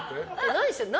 何してるの？